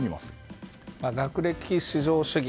学歴至上主義。